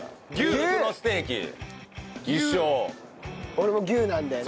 俺も牛なんだよね。